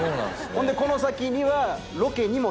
ほんでこの先には。